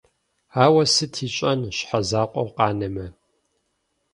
Ауэ сыт ищӀэн щхьэ закъуэу къэнамэ?